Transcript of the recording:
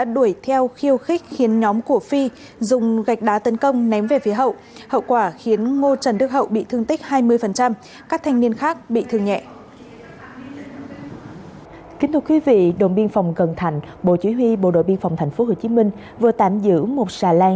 đội biên phòng cần thành bộ chủy huy bộ đội biên phòng tp hcm vừa tạm giữ một xà lan